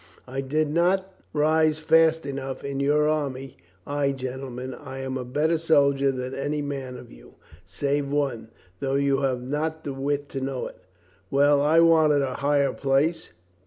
I did not rise fast enough in your army. Ay, gentlemen, I am a better soldier than any man of you, save one, though you have not the wit to know it. Well. I wanted a higher place.